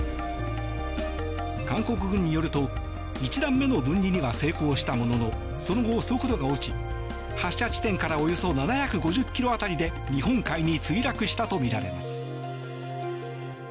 韓国軍によると１段目の分離には成功したもののその後、速度が落ち発射地点からおよそ７５０ｋｍ辺りで日本海に墜落したとみられます。